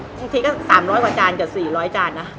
บางทีก็สามร้อยกว่าจานกับสี่ร้อยจานนะ